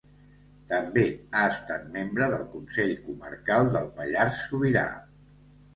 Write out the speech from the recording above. També ha estat membre del Consell Comarcal del Pallars Sobirà.